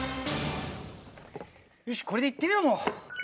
よしこれで行ってみようもう。